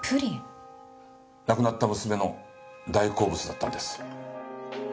亡くなった娘の大好物だったんです。